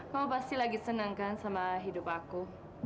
kamu pasti lagi senangkan sama hidup aku